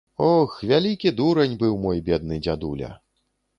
Ох, вялікі дурань быў мой бедны дзядуля.